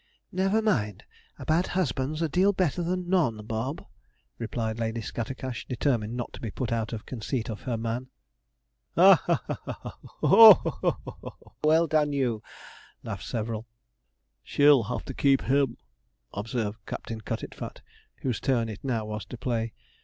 'Never mind; a bad husband's a deal better than none, Bob,' replied Lady Scattercash, determined not to be put out of conceit of her man. 'He, he, he! haw, haw, haw! ho, ho, ho! Well done you!' laughed several. 'She'll have to keep him,' observed Captain Cutitfat, whose turn it now was to play.